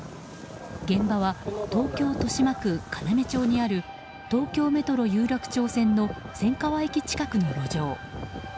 現場は東京・豊島区要町にある東京メトロ有楽町線の千川駅近くの路上。